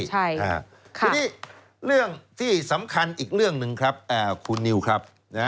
ทีนี้เรื่องที่สำคัญอีกเรื่องหนึ่งครับคุณนิวครับ